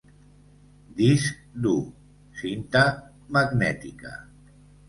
Disc dur, cinta magnètica.